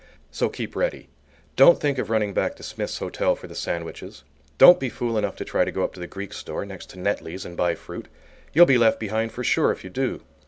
So keep ready. Don't think of running back to Smith's Hotel for the sandwiches. Don't be fool enough to try to go up to the Greek Store, next to Netley's, and buy fruit. You'll be left behind for sure if you do.